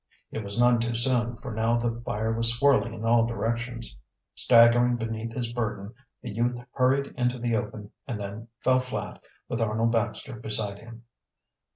It was none too soon, for now the fire was swirling in all directions. Staggering beneath his burden the youth hurried into the open and then fell flat, with Arnold Baxter beside him.